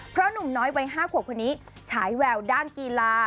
เพราะหนุ่มน้อยวัย๕ขวบคนนี้ฉายแววด้านกีฬา